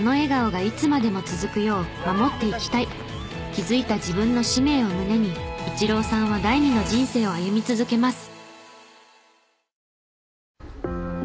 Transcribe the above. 気づいた自分の使命を胸にイチローさんは第二の人生を歩み続けます。